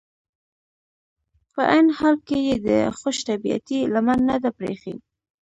په عین حال کې یې د خوش طبعیتي لمن نه ده پرېښي.